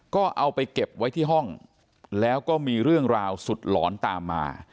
ก็เอาไปเก็บไว้ที่ห้องแล้วก็มีเรื่องราวสุดหลอนตามมา